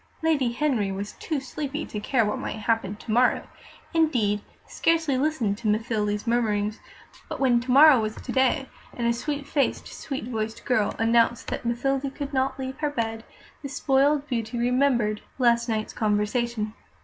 Lady Henry was too sleepy to care what might happen to morrow indeed, scarcely listened to Mathilde's murmurings; but when to morrow was to day, and a sweet faced, sweet voiced girl announced that Mathilde could not leave her bed, the spoiled beauty remembered last night's conversation.